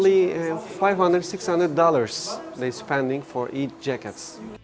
saya hargai lima ratus enam ratus dolar untuk setiap jaket